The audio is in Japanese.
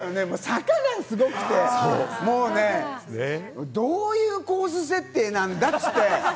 あそこでね、坂がすごくて、どういうコース設定なんだ？っつって。